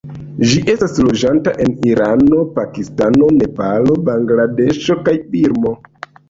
Ĝi estas loĝanta en Irano, Pakistano, Nepalo, Bangladeŝo kaj Birmo.